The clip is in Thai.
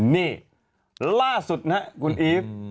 นี่ล่าสุดนะคุณอีฟ